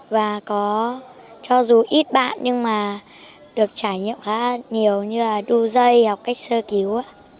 và có cho dù ít bạn nhưng mà được trải nghiệm khá nhiều như là đu dây học cách sơ cứu